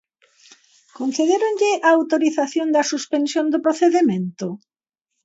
¿Concedéronlle a autorización da suspensión do procedemento?